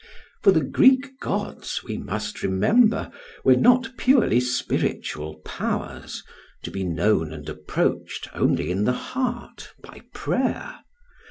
For the Greek gods, we must remember, were not purely spiritual powers, to be known and approached only in the heart by prayer.